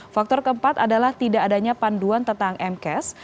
faktor keempat adalah tidak adanya panduan tentang mcas